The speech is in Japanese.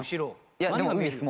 いやでも海です。